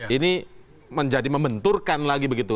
ini menjadi membenturkan lagi begitu